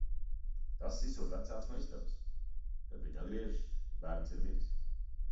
Tas izsūta vecākus no istabas. Kad viņi atgriežas, bērns ir miris.